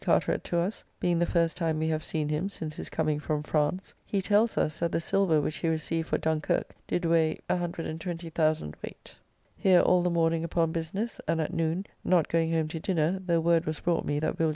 Carteret to us (being the first time we have seen him since his coming from France): he tells us, that the silver which he received for Dunkirk did weigh 120,000 weight. Here all the morning upon business, and at noon (not going home to dinner, though word was brought me that Will.